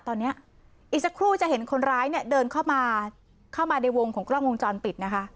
ตอนนี้อีกสักครู่จะเห็นคนร้ายเนี่ยเดินเข้ามาเข้ามาในวงของกล้องวงจรปิดนะคะ